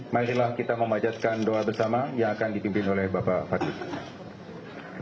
marilah kita memanjatkan doa bersama yang akan dipimpin oleh bapak fakih